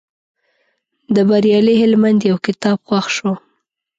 د بریالي هلمند یو کتاب خوښ شو.